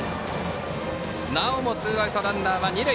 なおもツーアウトランナー、二塁。